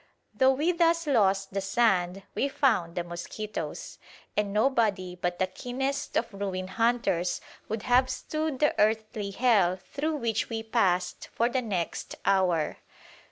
Though we thus lost the sand we found the mosquitoes; and nobody but the keenest of ruin hunters would have stood the earthly hell through which we passed for the next hour.